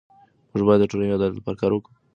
موږ باید د ټولنیز عدالت لپاره کار وکړو.